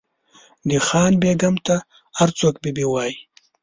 د خان بېګم ته هر څوک بي بي وایي.